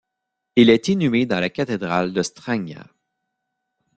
Il est inhumé dans la cathédrale de Strängnäs.